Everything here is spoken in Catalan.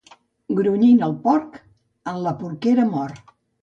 Grunyint el porc, en la porquera mor